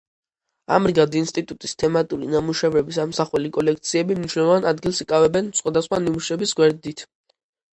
ამრიგად, ინსტიტუტის თემატური ნამუშევრების ამსახველი კოლექციები მნიშვნელოვან ადგილს იკავებენ სხვადასხვა ნიმუშების გვერდით.